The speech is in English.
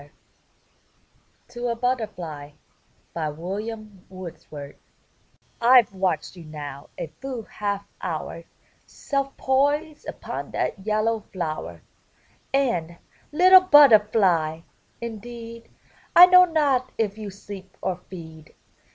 '* TO A BUTTERFLY William Wordsworth Fve watched you now a full half hour, Self poised upon that yellow flower; And, little Butterfly! indeed I know not if you sleep or feed.